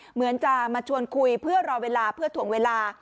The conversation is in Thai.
เหมือนจะมาชวนคุยเพื่อรอเวลาเพื่อถ่วงเวลา